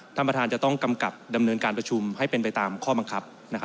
ท่านประธานจะต้องกำกับดำเนินการประชุมให้เป็นไปตามข้อบังคับ